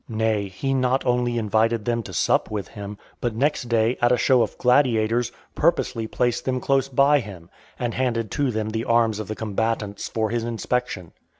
Nay, he not only invited them to sup with (473) him, but next day, at a show of gladiators, purposely placed them close by him; and handed to them the arms of the combatants for his inspection.